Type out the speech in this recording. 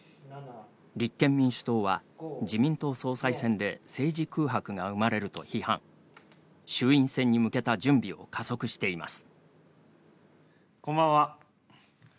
立憲民主党は、自民党総裁選で政治空白が生まれると批判衆院選に向けた準備を加速しています。